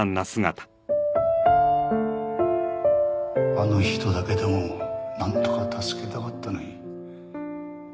あの人だけでもなんとか助けたかったのに。